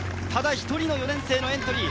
一人の４年生のエントリー。